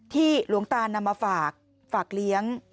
หลวงตานำมาฝากฝากเลี้ยง